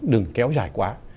đừng kéo dài quá